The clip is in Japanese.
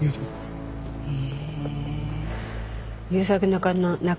へえ。